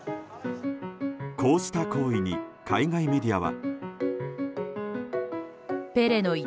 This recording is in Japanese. こうした行為に海外メディアは。